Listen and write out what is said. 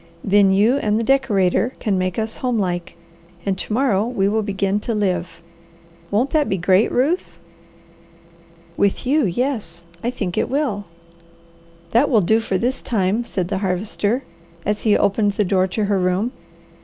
Then you and the decorator can make us home like, and to morrow we will begin to live. Won't that be great, Ruth?" "With you, yes, I think it will." "That will do for this time," said the Harvester, as he opened the door to her room.